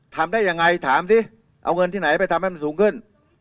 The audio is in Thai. ทำได้ยังไงถามสิเอาเงินที่ไหนไปทำให้มันสูงขึ้น